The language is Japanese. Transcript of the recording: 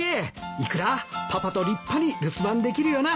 イクラパパと立派に留守番できるよな？